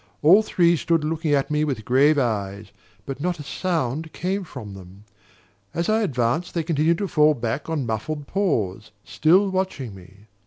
All three stood looking at me with grave eyes; but not a sound came from them. As I advanced they continued to fall back on muffled paws, still watching me.